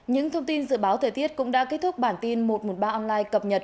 những thông tin dự báo thời tiết cũng đã kết thúc bản tin một trăm một mươi ba online cập nhật